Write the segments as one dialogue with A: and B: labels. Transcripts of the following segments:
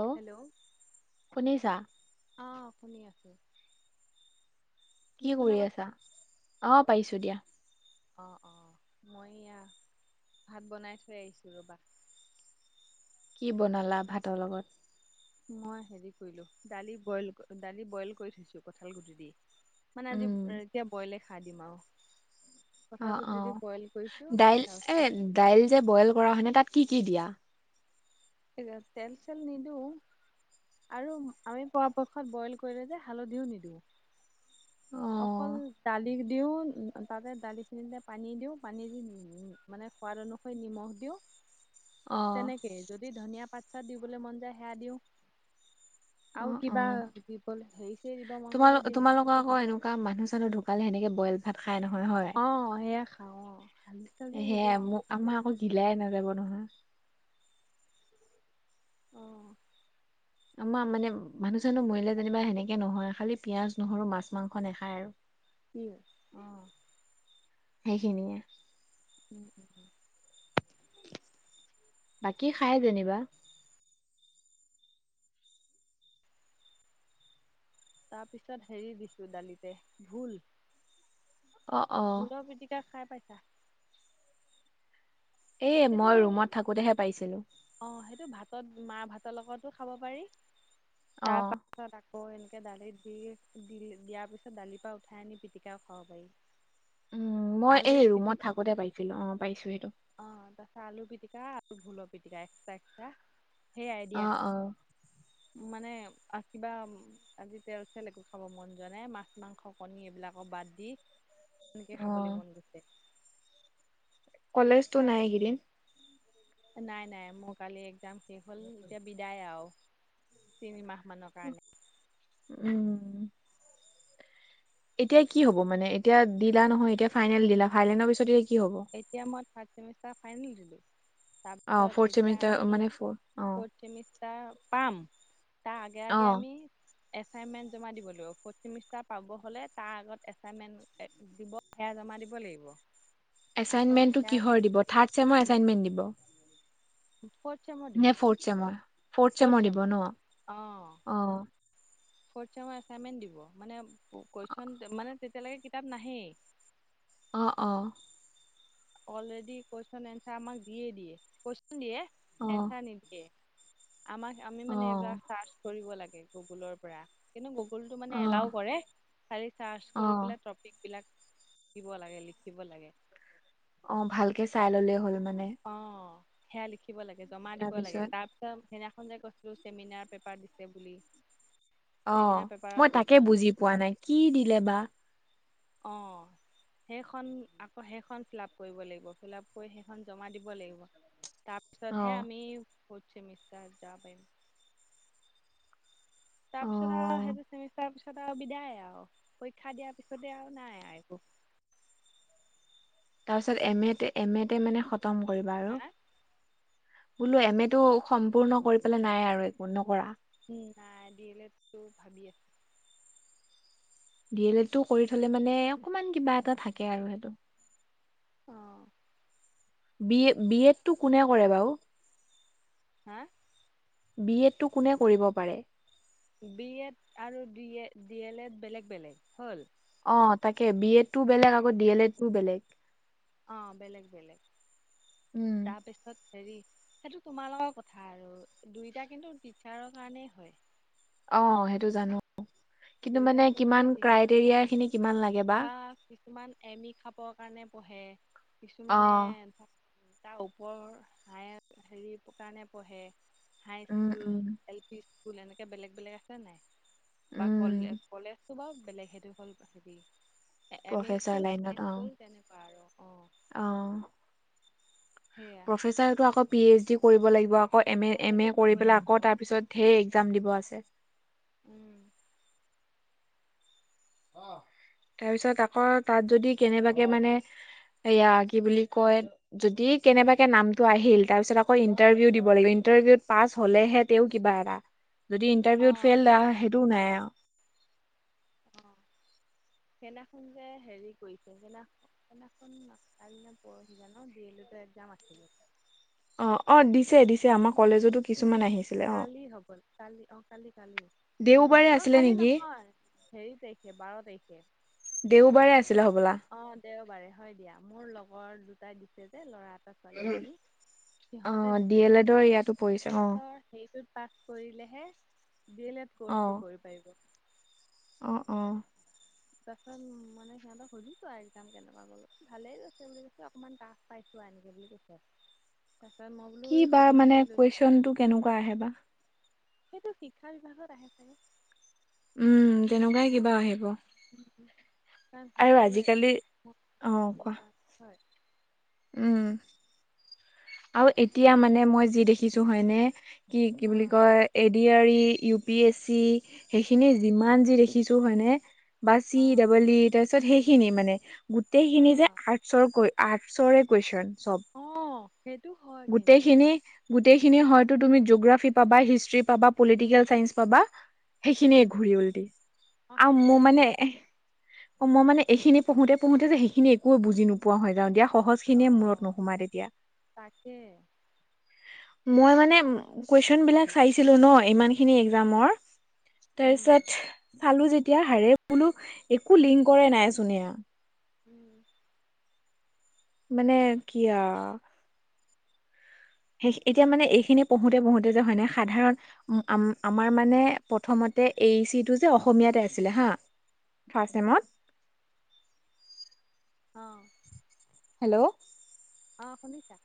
A: Hello
B: hello
A: শুনিছা
B: অঁ শুনি আছোঁ।
A: কি
B: শুনা
A: কৰি
B: পাইছা?
A: আছা অ পাইছোঁ দিয়া।
B: অঁ অঁ মই এয়া ভাত বনাই থৈ আহিছোঁ ৰ'বা
A: কি বনালা ভাতৰ লগত-
B: মই হেৰি কৰিলো দালি বইল দালি বইল কৰি থৈছো কঁঠাল, গুটি দি মানে আজি
A: উম
B: এতিয়া বইলে খাই দিম আৰু
A: অ
B: কঠাল,
A: অ
B: গুটি দি বইল কৰিছো
A: দাইল এ
B: তাৰপিছত
A: দাইল যে বইল কৰা হয়নে তাত কি কি দিয়া
B: এইযে তেলচেল নিদিওঁ আৰু আমি পৰাপক্ষত বইল কৰিলে যে হালধিও নিদিওঁ
A: অ
B: অকল দালি- দিওঁ তাতে দালিখিনিতে পানী দিওঁ পানী দি মানে সোৱাদ অনুসৰি নিমখ দিওঁ।
A: অ
B: তেনেকেই যদি ধনিয়া পাত চাত দিবলৈ মন যায়। সেয়া দিওঁ
A: অ
B: আৰু
A: অ
B: কিবা কি হেৰি ছেৰি দিব মন গলে দিওঁ।
A: আমাৰ আকৌ এনেকুৱা এনেকোৱো মানুহ চানোহ ঢুকালে, সেনেকে বইল ভাত খাই, নহয় হয়।
B: অ'! সেয়া খাওঁ আৰু হালধি-চালধি নিদিওঁ
A: সেয়াই
B: আৰু।
A: মোক আমাৰ আকৌ, গিলাই নাযাব নহয়।
B: অ'!
A: আমাৰ মানে, মানুহ-চানুহ মৰিলে যেনিবা, সেনেকে নহয়। খালি পিয়াজ, নহৰু, মাছ, মাংস নাখায় আৰু।
B: কি? অ'!
A: সেইখিনিয়ে।
B: উম, উম, উম।
A: বাকী খায়, যেনিবা।
B: তাৰ পিছত, হেৰি দিছোঁ, দালিতে, ভোল।
A: অ অ
B: ভোলৰ পিটিকা খাই পাইছা?
A: এই,
B: সেইটো
A: মই ৰুমত থাকোঁতেহে পাইছিলোঁ।
B: অ'! সেইটো ভাতত, মাৰ ভাতৰ লগতো খাব পাৰি।
A: অ
B: তাৰপা পাছত, আকৌ এনেকৈ দালিত দি, দিয়াৰ পিছত, দালিৰ পৰা উঠাই আনি, পিটিকাও খাব পাৰি। [inaudible]
A: উম, মই
B: আলু
A: এই, ৰুমত
B: পিটিকা
A: থাকোঁতেই পাইছিলোঁ। অ'! পাইছোঁ সেইটো।
B: অ'! তাৰপাছত, আলু পিটিকা আৰু ভোলৰ পিটিকা, এক্সট্ৰা-এক্সট্ৰা। সেয়াই
A: অ',
B: দিয়া।
A: অ'।
B: মানে, কিবা আজি, তেল-চেল একো খাবলৈ মন যোৱা নাই। মাছ, মাংস, কণী এইবিলাকক বাদ দি। সেনেকে খাবলৈ
A: অ',
B: মন গৈছে।
A: কলেজতো নাই এইকেইদিন।
B: [unintelligible] নাই, নাই, মোৰ কালি একজাম শেষ হ'ল। এতিয়া বিদায় আৰু তিনিমাহ মানৰ কাৰণে।
A: উম! এতিয়া কি হ'ব মানে? এতিয়া দিলা নহয়, এতিয়া ফাইনেল দিলা, ফাইনেলৰ পিছত এতিয়া কি হ'ব?
B: এতিয়া মই, থাৰ্ড ছেমিষ্টাৰৰ ফাইনেল দিলোঁ।
A: অ',
B: তাৰপিছত,
A: ফৰ্থ
B: এতিয়া
A: চেমিষ্টাৰ
B: আমি,
A: মানে ফ অ',
B: ফ'ৰ্থ ছেমি ছেমিষ্টাৰ পাম। তাৰ আগে-আগে
A: অ',
B: আমি, এছাইনমেণ্ট জমা দিব লাগিব। ফ'ৰ্থ ছেমিষ্টাৰ পাব হ'লে, তাৰ আগত এছাইনমেণ্ট দিব। সেয়া জমা দিব লাগিব। আকৌ
A: এছাইনমেণ্টটো
B: সেয়া
A: কিহৰ দিব? থাৰ্ড ছেমৰ এছাইনমেণ্ট দিব?
B: ফ'ৰ্থ ছেমৰ দিব।
A: ছেমৰ, ফ'ৰ্থ ছেমৰ, দিব ন'?
B: অ
A: অ'!
B: ফ'ৰ্থ ছেমৰ এছাইনমেণ্ট দিব। মানে, কোৱেছন মানে, তেতিয়ালৈকে কিতাপ নাহেই।
A: অ' অ'!
B: অ'লৰেডি কুৱেশ্যন -এনঞ্চাৰ আমাক দিয়ে, দিয়ে। কুৱেশ্যন দিয়ে?
A: অ',
B: এনঞ্চাৰ নিদিয়ে। আমাক, আমি মানে,
A: অ',
B: এইবিলাক চাৰ্চ কৰিব লাগে, গুগুলৰ পৰা। কিন্তু, গুগুলটো মানে,
A: অ',
B: এলাও কৰে। খালি চাৰ্চ কৰি
A: অ'।
B: পেলাই, টপিকবিলাক দিব লাগে, লিখিব লাগে।
A: অ'! ভালকে চাই ল'লে হ'ল, মানে।
B: অ'! সেইয়া লিখিব লাগে, জমা দিব লাগে।
A: তাৰপিছত
B: তাৰ সেইদিনাখন যে কৈছিলোঁ! চেমিনাৰ পেপাৰ দিছে বুলি।
A: অ'!
B: চেমিনাৰ পেপাৰৰ
A: মই তাকে
B: কুৱেশ্যন
A: বুজি পোৱা নাই, কি দিলে বা?
B: অ'! সেইখন, আকৌ সেইখন ফিল আপ কৰিব লাগিব। ফিল আপ কৰি, সেইখন জমা দিব লাগিব।
A: অ'।
B: তাৰপিছতহে, আমি ফ'ৰ্থ ছেমিষ্টাৰত যাব পাৰিম।
A: অ
B: তাৰপিছত আও সেইটো চেমিষ্টাৰ পিছতে বিদায় আও পৰীক্ষা দিয়াৰ পিছতে আও নাই আও একো।
A: তাৰ পিছত এম এতে, এম এতে মানে খতম কৰিবা আৰু।
B: হা
A: বোলো, এম এটো সম্পূৰ্ণ কৰি পেলাই নাই, আৰু একো নকৰা।
B: উম নাই, ডি এল এডটো ভাবি আছোঁ।
A: ডি এল এডটো কৰি থলে মানে অকমান কিবা এটা থাকে আৰু সেইটো।
B: অ,
A: বি এ বি এডটো কোনে কৰে বাৰু?
B: হে,
A: বি এডটো কোনে কৰিব পাৰে?
B: বি এড আৰু D A D L Ed বেলেগ বেলেগ হ'ল?
A: অ তাকে বি এডটো বেলেগ আকৌ ডি এল এড টোও বেলেগ।
B: অঁ বেলেগ বেলেগ,
A: উম
B: তাৰপিছত - হেৰি, সেইটো তোমাৰ লগৰ কথা আৰু দুইটা কিন্তু টিচাৰৰ কাৰণেই হয়।
A: অ সেইটো জানো, কিন্তু
B: দুইটা
A: মানে
B: পঢ়ে
A: কিমান
B: টিচাৰৰ
A: ক্ৰাইটেৰিয়া
B: কাৰণে
A: খিনি কিমান লাগে বা?
B: ধৰা কিছুমান এম ই খাবৰ কাৰণে পঢ়ে,
A: অ
B: কিছুমানে ধৰা- তাৰ ওপৰৰ হাইয়াৰ হেৰি কাৰণে পঢ়ে। High
A: um
B: school,
A: um
B: L P school, এনেকে বেলেগ বেলেগ আছে নাই? বা
A: উম
B: কলে কলেজটো বাৰু বেলেগ সেইটো হল হেৰি - এম ই
A: প্ৰফেচাৰ
B: স্কুল,
A: লাইনত
B: হাই
A: অ
B: স্কুল, তেনেকুৱা আৰু অ।
A: অ,
B: সেইয়াই,
A: প্ৰফেচাৰটো আকৌ পি এইচ ডি কৰিব লাগিব আকৌ এম এ
B: অ
A: এম
B: সেইটো
A: এ
B: কৰিব
A: কৰি পেলাই
B: লাগিব অ
A: আকৌ তাৰপিছত- ধেইৰ একজাম দিব আছে।
B: উম,
A: তাৰপিছত আকৌ তাত যদি কেনেবাকে মানে - সেইয়া কি বুলি কয়- যদি কেনেবাকে নামটো আহিল, তাৰ পিছত আকৌ ইণ্টাৰভিউ দিব লাগিব, ইন্টাৰভিউত পাছ হলেহে- তেওঁ কিবা এটা, যদি
B: অ
A: ইন্টাৰভিউত ফেইল
B: সেই
A: সেইটোও নাই আও।
B: অ, সেইনাখন যে হেৰি কৰিছে, সেইনাখন- সেইনাখন কাল না পৰহি জানো ডি এল এডৰ একজাম আছিলে।
A: অ, অ দিছে, দিছে
B: অ
A: আমাৰ কলেজতো কিছু- কিছূমান আহিছিলে। অ
B: কালি হ'বলা, কালি অ কালি কালি। মোৰ
A: দেওবাৰে
B: অ
A: আছিলে
B: কালি
A: নেকি
B: নহয় হেৰি তাৰিখে বাৰ তাৰিখে।
A: দেওবাৰে আছিল হ'বলা!
B: অ দেওবাৰে, হয় দিয়া মোৰ লগৰ দুটাই দিছে যে ল'ৰা এটা ছোৱালী এজনী,
A: অ
B: সিহঁতে
A: ডি
B: দিছে।
A: এল এডৰ ইয়াতো পৰিছে অ
B: সেইটোত পাছ কৰিলেহে বি এল এড
A: অ
B: কৰ্চটো কৰিব পাৰিব।
A: অ, অ।
B: তাৰ পাছত মানে সিহঁতক সুধিছো আও একজাম কেনেকুৱা গ'লো, ভালেই গৈছে বুলি কৈছে অকণমান টাফ - পাইছোৱা এনেকে বুলি কৈছে আও। তাৰ পিছত, মই বোলো
A: কি
B: এই
A: বা
B: সুধি
A: মানে
B: গুচি লৈছ
A: কুৱেশচনটো কেনেকুৱা আহে বা
B: সেইটো শিক্ষা বিভাগত আহে চাগে!
A: উম, তেনেকুৱাই কিবা আহিব।
B: উম উম, কাৰণ
A: আৰু
B: সেইটো
A: আজিকালি অ
B: [unintelligible] বুলি
A: কোৱা
B: কোৱাত হয়
A: উম, আৰু এতিয়া মানে মই যি দেখিছোঁ হয়নে, কি কি বুলি
B: অ',
A: কয় A, D, R, E, U, P, S, C, সেইখিনি যিমান যি দেখিছোঁ হয়নে। বা চি
B: অ',
A: ডাবল ই তাৰপিছত সেইখিনি মানে গোটেইখিনি যে
B: অ',
A: আৰ্টচৰকৈ আৰ্টছৰে কুৱেছন চ'ব।
B: অ, সেইটো হয়। কিন্তু,
A: গোটেইখিনি- গোটেইখিনি হয়তো, তুমি জিগ্ৰাফি পাবা হিষ্ট্ৰি পাবা।
B: উম,
A: পলিটিকেল
B: উম,
A: চাইঞ্চ পাবা, সেইখিনিয়ে
B: উম,
A: ঘূৰি উল, দি
B: অ',
A: আৰু মোৰ
B: সেইখিনিয়ে
A: মানে
B: ঘূৰে।
A: অ, মই মানে এইখিনি পঢ়োতে, পঢ়োতে যে সেইখিন একো বুজিনোপোৱা হৈ, যওঁ দিয়া সহজ সি সখিনিয়ে মূৰত
B: অ',
A: নোসোমায় তেতিয়া
B: তাকে
A: মই, মানে কুৱেছন বিলাক চাইছিলো ন ইমান খিনি একজামৰ।
B: উম,
A: তাৰপিছত চালো যেতিয়া, হাৰে বোলো একো লিংকৰে নাই চোন এয়া,
B: উম,
A: মানে কিয়া সেই, এতিয়া মানে এইখিনি পঢ়োতে-পঢ়োতে যে হয় নাই সাধাৰণ আমাৰ মানে প্ৰথমতে এই চিটো যে অসমীয়াতে আছিলে হা ফাৰ্ষ্ট চেমট।
B: অ,
A: হেল্ল,
B: অ, শুনিছা?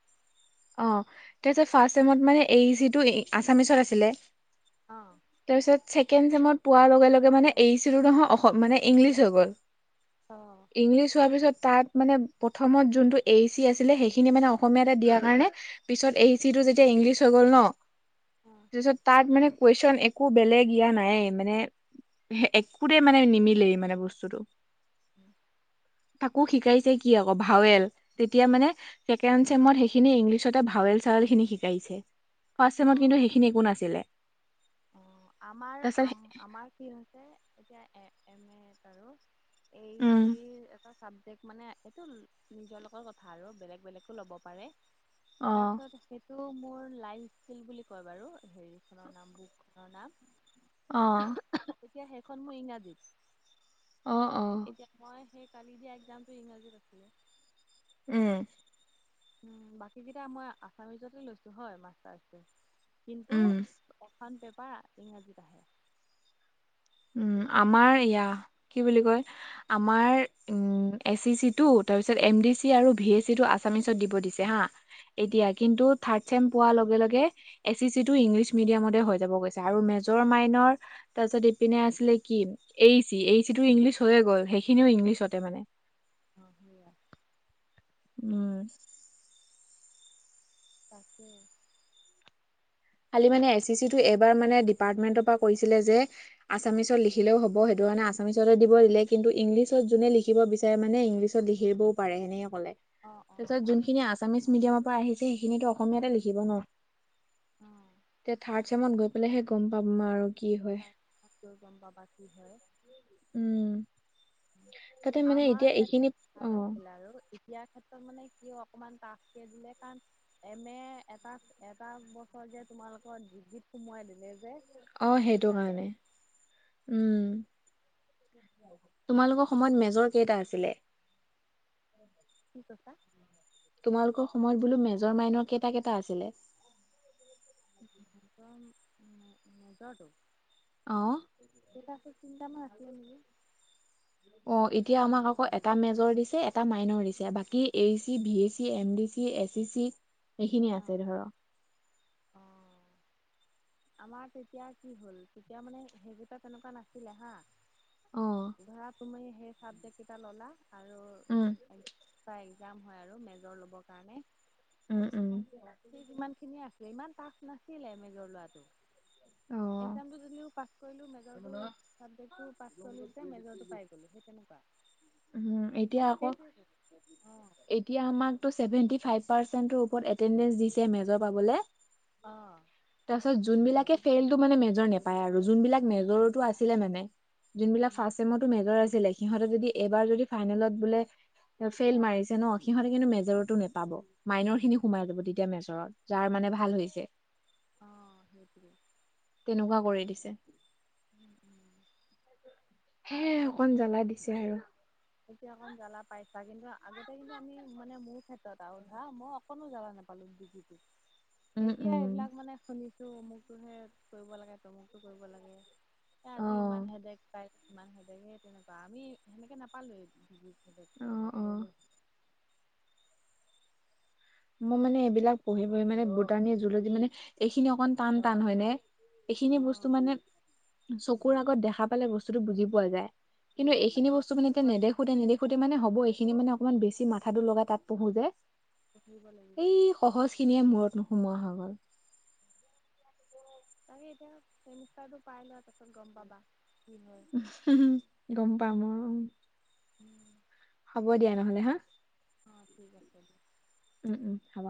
A: অ, তে ফাৰ্ষট চেমত মানে এ, ই, চি, টো আছামিচত আছিলে।
B: অ,
A: তাৰপিছত ছেকেণ্ড চেমত, পোৱাৰ লগে লগে মানে, এই, ই, চি, টো নহয় অসম মানে ইংলিছ হৈ গ'ল।
B: অ,
A: ইংলিছ হোৱাৰ পিছত, তাত মানে প্ৰথমত যোনটো এ, ই, চি, আছিলে, সেইখিনি মানে অসমীয়াতে দিয়া কাৰণে পিছত, এ, ই, চি, টো যেতিয়া ইংলিছ হৈ গ'ল ন।
B: উম,
A: তাৰ পিছত তাত মানে কুৱেছন একো বেলেগ ইয়া নাই, মানে। একোটেই মানে নিমিলেই মানে বস্তুটো।
B: হম
A: তাকো শিকাইছে কি আকৌ, ভাৱেল তেতিয়া মানে ছেকেণ্ড চেমত সেইখিনি ইংলিছতে ভাৱেল চাল খিনি শিকাইছে, ফাৰ্ষ্ট
B: অ',
A: চেমত কিন্তু সেইখিনি একো নাছিলে।
B: অ, আমাৰ,
A: তাৰপিছত
B: আমাৰ কি হৈছে এতিয়া এম, ইত আৰু এ, ই,
A: উম
B: চিৰ এটা চাবজেক্ট মানে এইটো নিজৰ লগৰ কথা আৰু বেলেগ বেলেগো ল'ব পাৰে।
A: অ
B: তাৰপিছত সেইটো মোৰ লাইফ ইছকিল বুলি কয় বাৰু হেৰিখনৰ নাম বু ঘৰৰ নাম
A: অ,
B: এতিয়া সেইখন মোৰ ইংৰাজীত।
A: অ, অ,
B: এতিয়া মই সেই কালি দিয়া একজামটো, ইংৰাজীত আছিলো।
A: উম,
B: বাকীকেইটা মই আছামিজতে লৈছোঁ হয়, মাছৰাটো কিন্তু
A: উম
B: এখন পেপাৰ, ইংৰাজীত আহে। [unintelligible]
A: উম! আমাৰ ইয়া কি বুলি কয় [inaudible] আমাৰ উম এচিচিটো তাৰপিছত এমডিচি আৰু ভিএচিটো আছামিচত দিব দিছে, হা [unintelligible] এতিয়া কিন্তু থাৰ্ড চেম পোৱাৰ লগে-লগে [inaudible] এচিচিটো ইংলিছ মিডিয়ামতে হৈ যাব কৈছে আৰু মেজৰ, মাইনৰ তাৰপিছত [inaudible] ইপিনে আছিলে কি এইচি-এইচিটো ইংলিছ হৈয়ে গ'ল, সেইখিনিও ইংলিছতে মানে। [unintelligible]
B: অঁ সেইয়া [inaudible]
A: উম!
B: তাকে [inaudible]
A: খালি মানে এচিচিটো এইবাৰ মানে ডিপাৰ্টমেন্টৰ পৰা কৈছিলে যে [unintelligible] আছামিছত লিখিলেও হব, সেইটো কাৰণে আছামিছতে দিব দিলে, কিন্তু ইংলিছত যোনে লিখিব বিচাৰে মানে ইংলিছত [unintelligible] [unintelligible] লিখি দিবও পাৰে সেনেকে ক'লে।
B: অ', অ',
A: তাৰপিছত
B: পাৰে
A: যোনখিনি আছামিছ মিডিয়ামৰ পৰা আহিছে সেইখিনিটো অসমীয়াতে লিখিব ন। [unintelligible]
B: অঁ!
A: এতিয়া থাৰ্ড চেমত গৈ পেলাইহে গম পাম আৰু। [inaudible]
B: তাত-তাতৈ গম পাবা কি হয় [unintelligible]
A: উম! তাতে মানে
B: আমাৰ
A: এতিয়া এইখিনি
B: ক্ষেত্ৰত
A: অ
B: ভাল আছিল আৰু [unintelligible] এতিয়াৰ ক্ষেত্ৰত মানে কিয় অকমান তাফকে দিলে কাৰণ [unintelligible] এমএ এটাত এটা বছৰ যে তোমালোকৰ ডিগ্ৰীত সোমোৱাই দিলে যে। [unintelligible]
A: অ সেইটো
B: সেইকাৰণে।
A: কাৰণে। উম! [inaudible] তোমালোকৰ সময়ত মেজৰ কেইটা আছিলে? [inaudible]
B: কি কৈছা? [inaudible]
A: তোমালোকৰ সময়ত বোলো মেজৰ, মাইনৰ কেইটা-কেইটা আছিলে? [inaudible]
B: [unintelligible] মেজৰটো?
A: অ
B: কেইটা আছিল, তিনটামান আছিলে নেকি? [unintelligible]
A: অ এতিয়া আমাক আকৌ এটা মেজৰ দিছে, এটা মাইনৰ দিছে, বাকী এইচি, ভিএচি, এমডিচি, এচ [unintelligible] [unintelligible] সেইখিনি আছে ধৰক।
B: অ'। আমাৰ তেতিয়া কি হ'ল তেতিয়া মানে সেইকেইটা তেনেকুৱা নাছিলে হা [unintelligible]
A: অ
B: ধৰা তুমি সেই চাবজেক্ট কেইটা ললা আৰু উম [unintelligible] একজাম হয় আৰু মেজৰ ল'বৰ কাৰণে।
A: উম উম
B: ঠিক ইমানখিনিয়ে আ [unintelligible] ইমান টাফ নাছিলে মেজৰ লোৱাটো।
A: অ
B: একজামটো যদিও পাছ কৰিলো মেজ [unintelligible] মেজৰটো, চাবজেক্টটো পাই গলো যে মেজৰটো পায় গলোঁ সেই তেনেকুৱা। [unintelligible]
A: উম এতিয়া
B: অঁ
A: আকৌ
B: সেইটোৱেইটো অঁ। [inaudible]
A: এতিয়া আমাকটো চেভেনট্ৰি ফাইভ পাৰ্চেন্টৰ ওপৰত এণ্টেনড্ৰেছ দিছে মেজৰ পাবলে। [unintelligible]
B: অঁ!
A: তাৰপিছত যোনবিলাকে ফেইলটো মানে মেজৰ নাপায় আৰু যোনবিলাক মেজৰটো আছিলে মানে। [unintelligible] যোনবিলাক ফাৰ্ষ্ট ছেমতো মেজৰ আছিলে সিহঁতে যদি এইবাৰ যদি ফাইনেলত বোলে [unintelligible] ফেইল মাৰিছে ন সিহঁতি কিন্তু মেজৰটো নেপাব। [unintelligible] মাইনৰখিনি সোমাই যাব তেতিয়া মেজৰত। যাৰ মানে ভাল হৈছে। [unintelligible]
B: অঁ! সেইটোৱেই। [inaudible]
A: তেনেকুৱা কৰি দিছে। [unintelligible]
B: উম-উম [inaudible]
A: সেয়াই অকণ জ্বলাই দিছে আৰু। [inaudible]
B: এতিয়া অকন জ্বালা পাইছা। কিন্তু আগতে কিন্তু আমি মানে মোৰ ক্ষেত্ৰত আৰু ধৰা ম‌ইও [unintelligible] কোনো জাগা নাপালো ডগ [unintelligible]
A: উম
B: এতিয়া
A: উম
B: সেইবিলাক মানে শুনিছো তো অমুকতোহে কৰিব লাগে, তমুকতো কৰিব লাগে, এ
A: অ
B: আজি ইমান হেডেক পায়- ইমান সেদেক তেনেকুৱা। আমি সেনেকে নাপালোৱেই
A: অ
B: [unintelligible]
A: অ মোৰ মানে এইবিলাক পঢ়ি পঢ়ি মানে বুটানি জুলজি মানে, এইখিনি অকমান টান টান হয় নে? এইখিনি বস্তু মানে, চকুৰ আগত দেখা পালে বস্তুতটো বুজি পোৱা যায়। কিন্তু এইখিনি বস্তু মানে এতিয়া নেদেখোতে নেদেখোতে মানে হ'ব‌ই এইখিনি মানে অকমান বেছি মাথাটো লগাই তাত পঢ়ো যে।
B: পঢ়িব লাগিব।
A: সহজখিনিয়ে মূৰত নোসোমোৱা হৈ গ'ল।
B: তাকে এতিয়া চেমিষ্টাৰটো পাই লোৱা তাৰ পাছত গম পাবা কি হয়।
A: হুম গম পাম অ
B: উম।
A: হ'ব দিয়া নহ'লে হা।
B: অঁ ঠিক আছে দিয়ক।
A: উম উম হ'ব।